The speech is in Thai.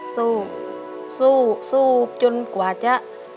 สู้สู้สู้จนกว่าจะ